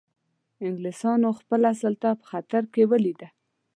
انګلیسانو خپله سلطه په خطر کې لیده.